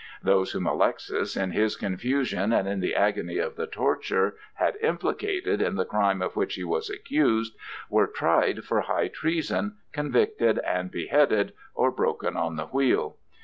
Those whom Alexis, in his confusion and in the agony of the torture, had implicated in the crime of which he was accused, were tried for high treason, convicted, and beheaded or broken on the wheel.